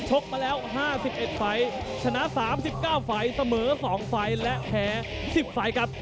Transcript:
ชกมาแล้วห้าสิบเอ็ดไฟชนะสามสิบเก้าไฟเสมอสองไฟและแท้สิบไฟครับ